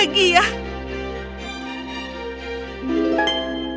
dan hidup bahagia